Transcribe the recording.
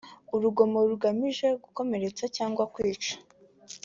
urugomo rugamije gukomeretsa cyangwa kwica